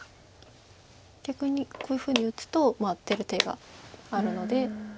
逆にこういうふうに打つと出る手があるので。